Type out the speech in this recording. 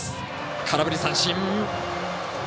空振り三振！